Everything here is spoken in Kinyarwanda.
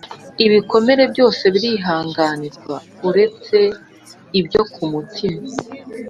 Ibikomere byose birihanganirwa, uretse ibyo ku mutima!